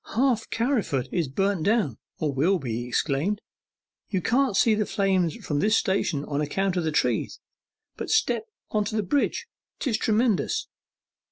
'Half Carriford is burnt down, or will be!' he exclaimed. 'You can't see the flames from this station on account of the trees, but step on the bridge 'tis tremendous!